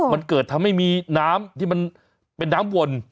มันเกิดทำให้มีน้ำที่มันเป็นน้ำวน